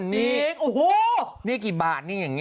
ฮูนี่กี่บาท